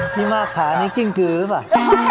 พี่มากขานี้กิ้งกือหรือเปล่า